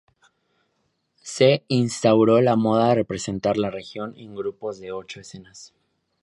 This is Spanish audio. Se instauró la moda de representar la región en grupos de ocho escenas.